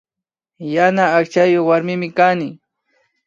Yana akchayuk warmimi kani